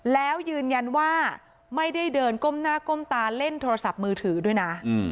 แล้วยืนยันว่าไม่ได้เดินก้มหน้าก้มตาเล่นโทรศัพท์มือถือด้วยนะ